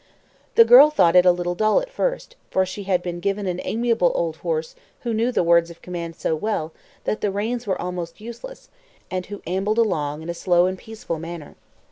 The girl thought it a little dull at first, for she had been given an amiable old horse who knew the words of command so well that the reins were almost useless, and who ambled along in a slow and peaceful manner.